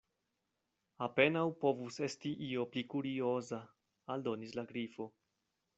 "Apenaŭ povus esti io pli kurioza," aldonis la Grifo.